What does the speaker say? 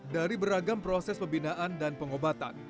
dari beragam proses pembinaan dan pengobatan